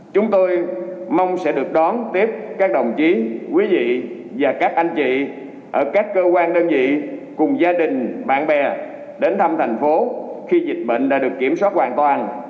chúng tôi mong sẽ được đón tiếp các đồng chí quý vị và các anh chị ở các cơ quan đơn vị cùng gia đình bạn bè đến thăm thành phố khi dịch bệnh đã được kiểm soát hoàn toàn